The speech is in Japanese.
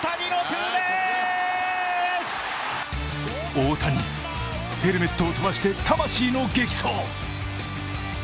大谷、ヘルメットを飛ばして魂の激走。